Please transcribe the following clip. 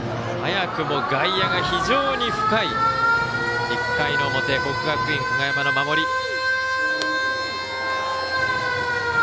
早くも外野が非常に深い１回の表国学院久我山の守り。